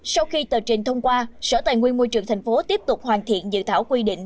sau khi tờ trình thông qua sở tài nguyên môi trường tp hcm tiếp tục hoàn thiện dự thảo quy định